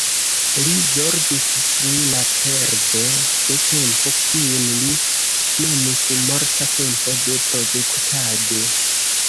Li zorgis pri la perdo de tempo, kiun li nomis morta tempo de produktado.